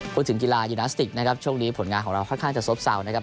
กีฬายูนาสติกนะครับช่วงนี้ผลงานของเราค่อนข้างจะซบเซานะครับ